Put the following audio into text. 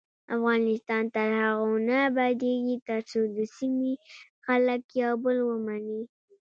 افغانستان تر هغو نه ابادیږي، ترڅو د سیمې خلک یو بل ومني.